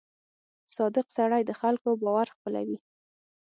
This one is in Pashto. • صادق سړی د خلکو باور خپلوي.